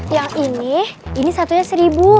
yang ini ini satunya seribu